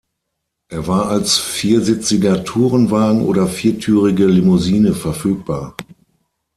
Er war als viersitziger Tourenwagen oder viertürige Limousine verfügbar.